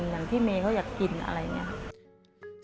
อย่างพี่เมย์เขาอยากกินอะไรอย่างนี้